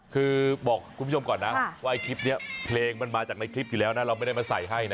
คือบอกคุณผู้ชมก่อนนะว่าคลิปนี้เพลงมันมาจากในคลิปอยู่แล้วนะเราไม่ได้มาใส่ให้นะ